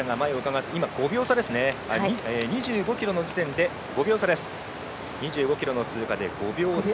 ２５ｋｍの時点で５秒差です。